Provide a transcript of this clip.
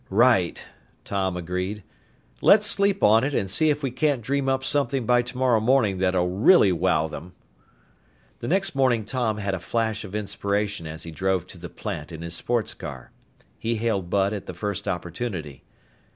"Right!" Tom agreed. "Let's sleep on it and see if we can't dream up something by tomorrow morning that'll really wow them." The next morning Tom had a flash of inspiration as he drove to the plant in his sports car. He hailed Bud at the first opportunity.